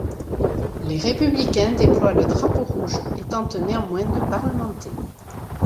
Les Républicains déploient le drapeau rouge et tentent néanmoins de parlementer.